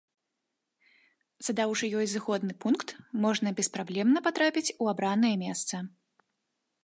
Задаўшы ёй зыходны пункт можна беспраблемна патрапіць у абранае месца.